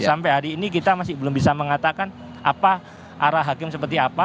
sampai hari ini kita masih belum bisa mengatakan apa arah hakim seperti apa